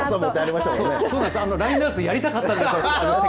ラインダンスやりたかったんだそうです。